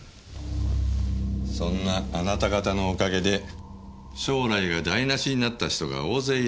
そんなあなた方のお陰で将来が台無しになった人が大勢いるんですから。